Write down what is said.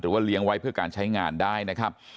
ว่าเลี้ยงไว้เพื่อการใช้งานได้นะครับ